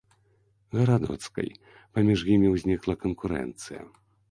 Гарадоцкай паміж імі ўзнікла канкурэнцыя.